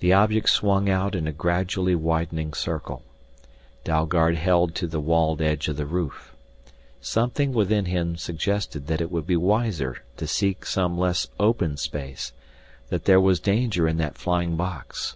The object swung out in a gradually widening circle. Dalgard held to the walled edge of the roof. Something within him suggested that it would be wiser to seek some less open space, that there was danger in that flying box.